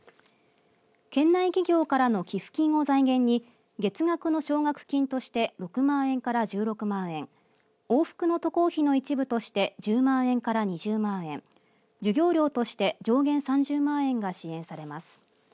県内企業からの寄付金を財源に月額の奨学金として６万円から１６万円往復の渡航費の一部として１０万円から２０万円授業料として上限３０万円が支援されます。